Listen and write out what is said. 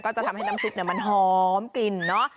จะทำให้น้ำซุปมันหอมกลิ่นเนอะ